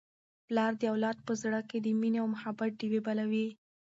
پلار د اولاد په زړه کي د مینې او محبت ډېوې بلوي.